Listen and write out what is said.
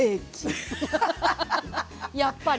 やっぱり。